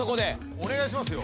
お願いしますよ。